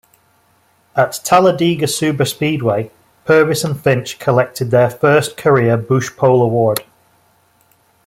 At Talladega Superspeedway, Purvis and Finch collected their first career Busch Pole Award.